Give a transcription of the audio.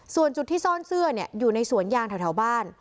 ส่วนจุดที่ซ่อนเสื้ออยู่ในสวนยางแถวบ้าน